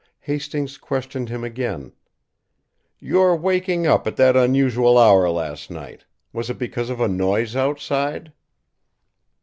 Hastings questioned him again: "Your waking up at that unusual hour last night was it because of a noise outside?"